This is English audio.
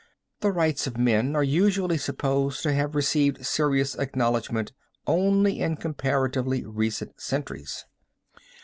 The rights of men are usually supposed to have received serious acknowledgment only in comparatively recent centuries.